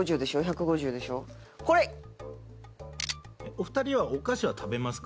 お二人はお菓子は食べますか？